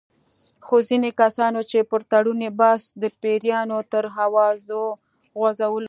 خو ځینې کسان وو چې پر تړون یې بحث د پیریانو تر اوازو غـځولو.